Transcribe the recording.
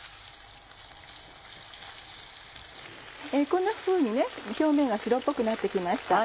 こんなふうに表面が白っぽくなって来ました。